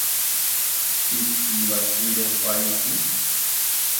Pikiwakiro paiki